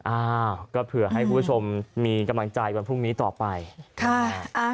อ้าวก็เผื่อให้คุณผู้ชมมีกำลังใจวันพรุ่งนี้ต่อไปค่ะ